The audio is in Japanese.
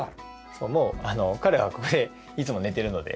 そうもう彼はここでいつも寝てるので。